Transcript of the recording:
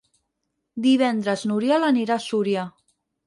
Divendres n'Oriol anirà a Súria.